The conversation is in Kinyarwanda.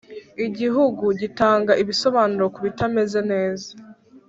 Igihugu gitanga ibisobanuro kubitameze neza.